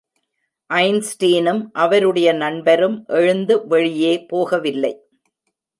ஐன்ஸ்டீனும் அவருடைய நண்பரும் எழுந்து வெளியே போகவில்லை.